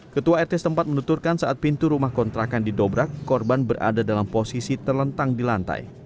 ketua rt setempat menuturkan saat pintu rumah kontrakan didobrak korban berada dalam posisi terlentang di lantai